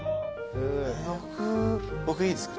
僕いいですか？